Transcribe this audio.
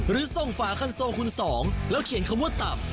หรือส่งฝาคันโซคุณสองแล้วเขียนคำว่าตับ